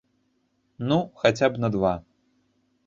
Ну, хаця б на два.